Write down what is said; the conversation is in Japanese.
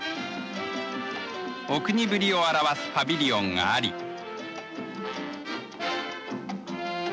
お国ぶりを表すパビリオンがあり。